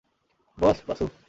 বস, Basu!